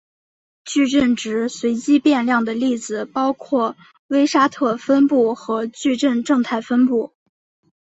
矩阵值随机变量的例子包括威沙特分布和矩阵正态分布。